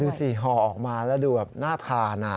ห่อออกมาแล้วดูแบบน่าทาน